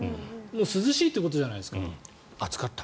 涼しいということじゃないですか。